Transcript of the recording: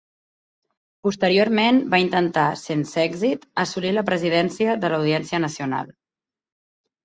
Posteriorment va intentar -sense èxit- assolir la Presidència de l'Audiència Nacional.